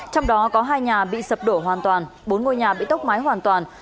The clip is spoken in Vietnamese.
trong đó có hai nhà bị sập đổ hoàn toàn bốn ngôi nhà bị tốc mái hoàn toàn